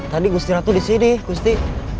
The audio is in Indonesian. tadi gusti ratu disini gusti